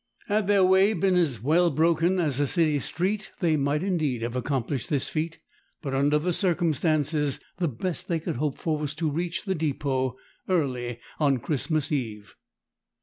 Had their way been as well broken as a city street they might indeed have accomplished this feat, but under the circumstances the best they could hope for was to reach the depot early on Christmas eve.